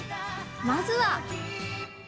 まずは。